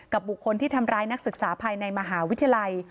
บุคคลที่ทำร้ายนักศึกษาภายในมหาวิทยาลัย